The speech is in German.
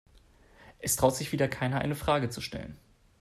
Es traut sich wieder keiner, eine Frage zu stellen.